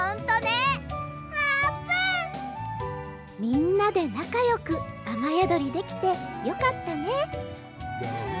みんなでなかよくあまやどりできてよかったね